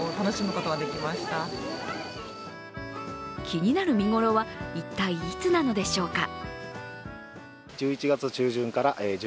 気になる見頃は一体いつなのでしょうか？